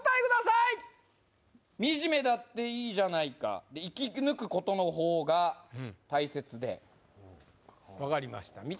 くださいみじめだっていいじゃないか生き抜くことの方が大切で分かりました